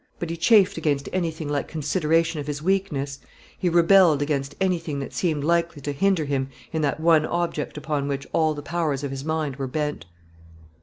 But he chafed against anything like consideration of his weakness; he rebelled against anything that seemed likely to hinder him in that one object upon which all the powers of his mind were bent.